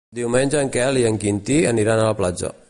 Diumenge en Quel i en Quintí aniran a la platja.